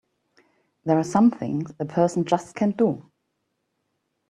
There are some things a person just can't do!